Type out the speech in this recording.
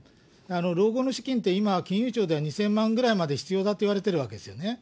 老後の資金って、今、金融庁では２０００万ぐらいまで必要だと言われてるわけですよね。